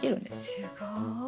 すごい。